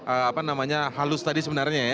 apa namanya halus tadi sebenarnya ya